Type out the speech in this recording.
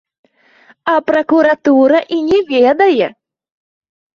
А пракуратура і не ведае!